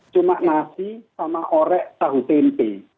cuma nasi sama orek tahu tempe